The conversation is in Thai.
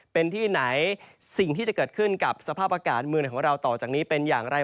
เป็นที่ไหนสิ่งที่จะเกิดขึ้นกับสภาพอากาศเมืองไหนของเราต่อจากนี้เป็นอย่างไร